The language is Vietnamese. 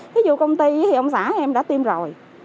ví dụ công ty thì ông sản em đã tiêm rồi